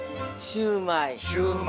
◆シューマイ。